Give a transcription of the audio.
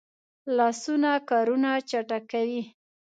لاسونه کارونه چټکوي